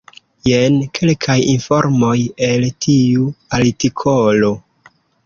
Jen kelkaj informoj el tiu artikolo.